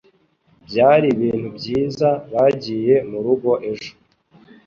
Byari ibintu byiza bagiye murugo ejo